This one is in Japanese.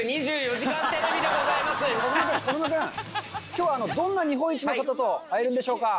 今日はどんな日本一の方と会えるんでしょうか？